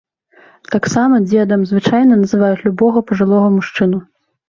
Таксама дзедам звычайна называюць любога пажылога мужчыну.